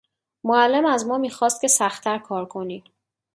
معلم از ما میخواست که سختتر کار کنیم.